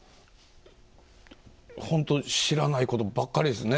本当、知らないことばっかりですね。